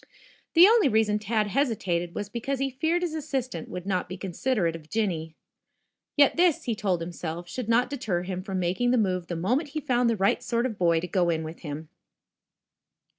The only reason Tad hesitated was because he feared his assistant would not be considerate of Jinny. Yet this, he told himself, should not deter him from making the move the moment he found the right sort of a boy to go in with him.